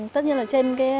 tất nhiên là trên cái